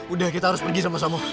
udah kita harus pergi sama sama